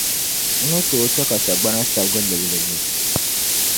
N ni tooi chɛ ka sagbana sabigi libilibi.